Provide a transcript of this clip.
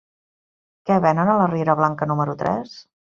Què venen a la riera Blanca número tres?